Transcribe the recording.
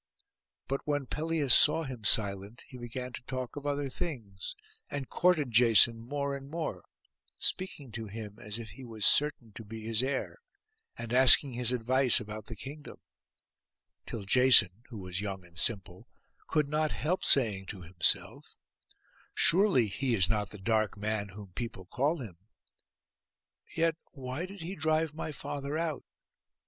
But when Pelias saw him silent, he began to talk of other things, and courted Jason more and more, speaking to him as if he was certain to be his heir, and asking his advice about the kingdom; till Jason, who was young and simple, could not help saying to himself, 'Surely he is not the dark man whom people call him. Yet why did he drive my father out?